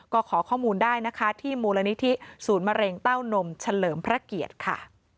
ก็ขอข้อมูลได้นะคะที่มูลนิธิศูนย์มะเร็งเต้านมเฉลิมพระเกียรติค่ะ